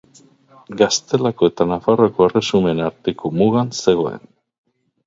Gaztelako eta Nafarroako Erresumen arteko mugan zegoen.